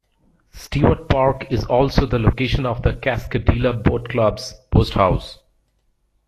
Stewart Park is also the location of the Cascadilla Boat Club's boathouse.